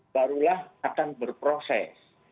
barulah akan berproses